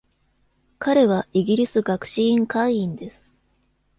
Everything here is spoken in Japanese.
彼はイギリス学士院会員です。